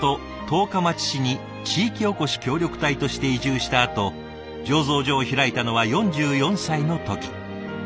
十日町市に地域おこし協力隊として移住したあと醸造所を開いたのは４４歳の時。